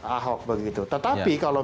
ahok begitu tetapi kalau